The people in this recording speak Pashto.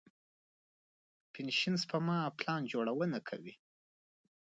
پنشن سپما پلان جوړونه کوي.